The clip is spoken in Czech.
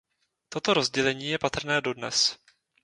Toto rozdělení je patrné dodnes.